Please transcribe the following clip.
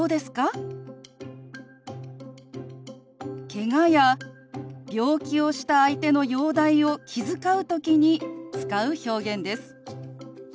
けがや病気をした相手の容体を気遣う時に使う表現です。